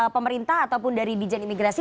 pemerintah ataupun dari bijen imigrasi